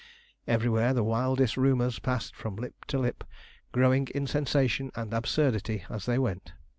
Everywhere the wildest rumours passed from lip to lip, growing in sensation and absurdity as they went.